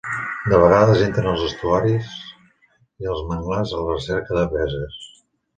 De vegades entren als estuaris i als manglars a la recerca de preses.